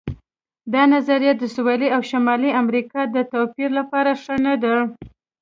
دا نظریه د سویلي او شمالي امریکا د توپیر لپاره ښه نه ده.